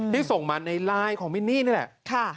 ที่ส่งมาในไลน์ของมินนี่นี่แหละ